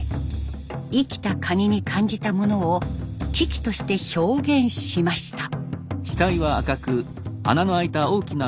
生きた蟹に感じたものを喜々として表現しました。